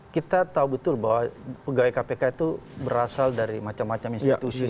kita tahu betul bahwa pegawai kpk itu berasal dari macam macam institusi